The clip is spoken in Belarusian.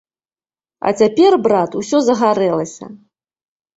А цяпер, брат, усё загарэлася.